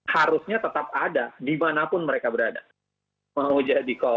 harusnya tetap ada dimanapun mereka berada